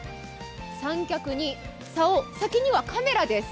三脚にさお、先にはカメラです。